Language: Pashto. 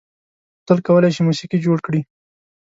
بوتل کولای شي موسيقي جوړ کړي.